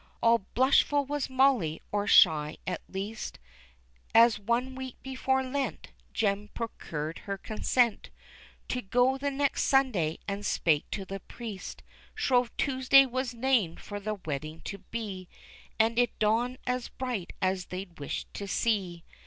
All blushful was Molly, or shy at least As one week before Lent Jem procured her consent To go the next Sunday and spake to the priest, Shrove Tuesday was named for the wedding to be, And it dawned as bright as they'd wish to see.